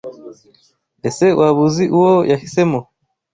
Ese waba uzi uwo yahisemo